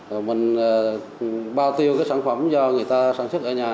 rồi mình bao tiêu cái sản phẩm do người ta sản xuất ở nhà